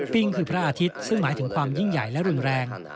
วิ่งคือพระอาทิตย์ซึ่งหมายถึงความยิ่งใหญ่และรุนแรง